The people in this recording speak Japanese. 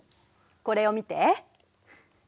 これを見て。